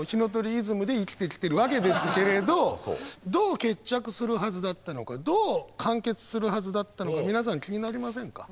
イズムで生きてきてるわけですけれどどう決着するはずだったのかどう完結するはずだったのか皆さん気になりませんか？